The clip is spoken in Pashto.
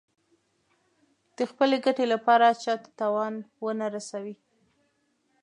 د خپلې ګټې لپاره چا ته تاوان ونه رسوي.